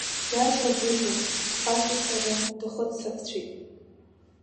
Иашагәышьоуп, хаҵацара дахыццакцәеит.